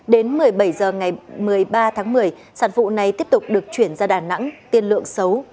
đến một mươi bảy h ngày một mươi ba tháng một mươi sản phụ này tiếp tục được chuyển ra đà nẵng tiên lượng xấu